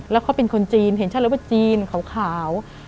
แล้วเค้าเป็นคนจีนเห็นชาติแล้วว่าจีนขาว